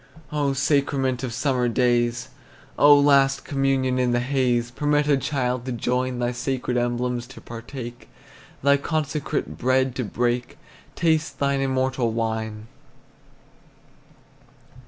Oh, sacrament of summer days, Oh, last communion in the haze, Permit a child to join, Thy sacred emblems to partake, Thy consecrated bread to break, Taste thine immortal wine!